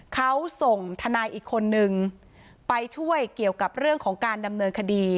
เขาส่งทนายอีกคนนึงไปช่วยเกี่ยวกับเรื่องของการดำเนินคดี